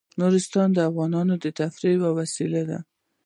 نورستان د افغانانو د تفریح یوه وسیله ده.